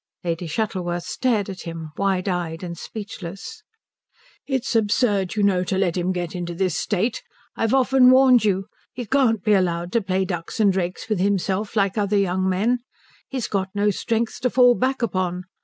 Lady Shuttleworth stared at him, wide eyed and speechless. "It's absurd, you know, to let him get into this state. I've often warned you. He can't be allowed to play ducks and drakes with himself like other young men. He's got no strength to fall back upon.